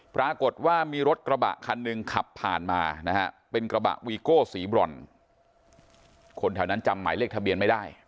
ปรากฏว่ามีรถกระบะคันหนึ่งขับผ่านมานะฮะเป็นกระบะวีโก้สีบรอนคนแถวนั้นจำหมายเลขทะเบียนไม่ได้